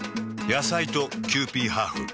野菜とキユーピーハーフ。